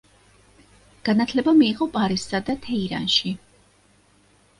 განათლება მიიღო პარიზსა და თეირანში.